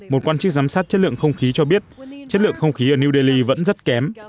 một quan chức giám sát chất lượng không khí cho biết chất lượng không khí ở new delhi vẫn rất kém